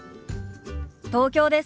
東京です。